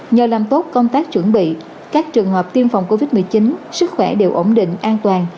nhờ làm tốt công tác chuẩn bị các trường hợp tiêm phòng covid một mươi chín sức khỏe đều ổn định an toàn